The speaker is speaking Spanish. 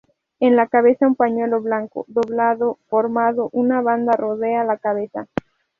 En la cabeza un pañuelo blanco doblado formando una banda rodea la cabeza.